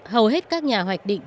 hầu hết các nhà hoạch định